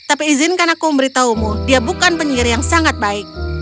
tapi izinkan aku memberitahumu dia bukan penyihir yang sangat baik